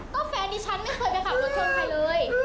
ก็แฟนดิฉันไม่เคยไปขับรถชนใครเลย